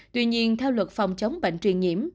tuy nhiên theo luật phòng chống bệnh truyền nhiễm